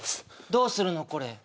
どうするのこれ？